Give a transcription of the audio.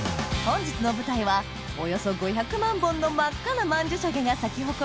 本日の舞台はおよそ５００万本の真っ赤な曼珠沙華が咲き誇る